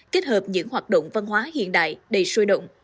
kết hợp những hoạt động văn hóa hiện đại đầy sôi động